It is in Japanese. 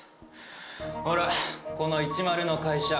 ほらこの①の会社